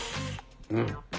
うん。